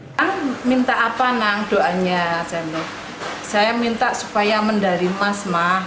saya minta apa doanya saya minta supaya mendari emas